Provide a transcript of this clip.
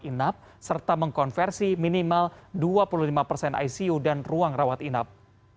inap serta mengkonversi minimal dua puluh lima persen icu dan ruang rawat inap